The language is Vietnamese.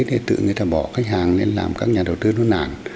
thì tự người ta bỏ khách hàng nên làm các nhà đầu tư nó nản